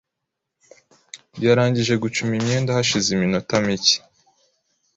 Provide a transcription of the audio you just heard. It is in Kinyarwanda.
Yarangije gucuma imyenda hashize iminota mike .